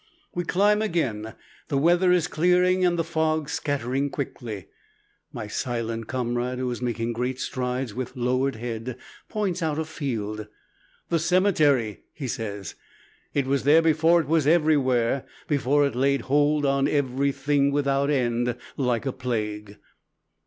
We climb again. The weather is clearing and the fog scattering quickly. My silent comrade, who is making great strides with lowered head, points out a field: "The cemetery," he says; "it was there before it was everywhere, before it laid hold on everything without end, like a plague."